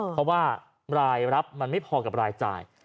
เพราะว่ารายรับมันไม่พอกับรายจ่าย